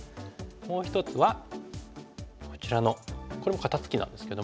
もう一つはこちらのこれも肩ツキなんですけども。